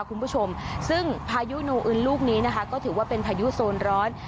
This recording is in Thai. คุณผู้ชมซึ่งพายุโนอึนลูกนี้นะคะก็ถือว่าเป็นพายุโซนร้อน